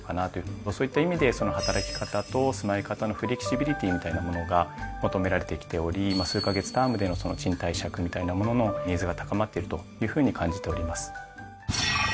そういった意味で働き方と住まい方のフレキシビリティーみたいなものが求められてきており数カ月タームでの賃貸借みたいなもののニーズが高まっているというふうに感じております。